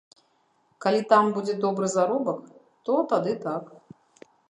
Калі там будзе добры заробак, то тады так.